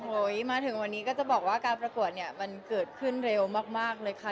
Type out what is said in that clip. มาถึงวันนี้ก็จะบอกว่าการประกวดเนี่ยมันเกิดขึ้นเร็วมากเลยค่ะ